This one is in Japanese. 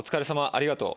ありがとう‼」。